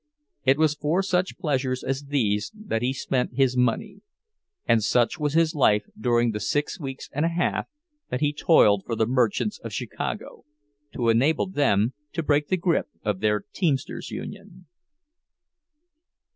It was for such pleasures as these that he spent his money; and such was his life during the six weeks and a half that he toiled for the merchants of Chicago, to enable them to break the grip of their teamsters' union.